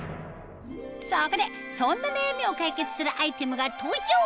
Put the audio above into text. そこでそんな悩みを解決するアイテムが登場！